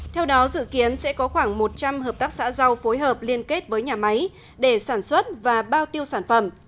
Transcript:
theo đó dự kiến sẽ có khoảng một trăm linh hợp tác xã rau phối hợp liên kết với nhà máy để sản xuất và bao tiêu sản phẩm